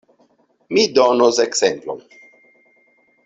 Mi donos ekzemplon.